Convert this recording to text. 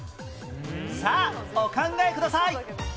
さあお考えください